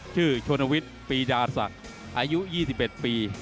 ชื่อชุนวิทยาปรีดาทรักอายุ๒๑ปี